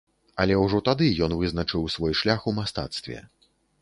Але ўжо тады ён вызначыў свой шлях у мастацтве.